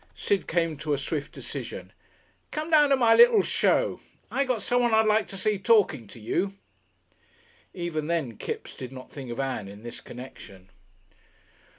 Sid came to a swift decision. "Come down to my little show. I got someone I'd like to see talking to you." Even then Kipps did not think of Ann in this connection.